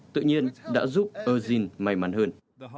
tự nhiên đã giúp eugene may mắn hơn